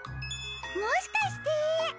もしかして！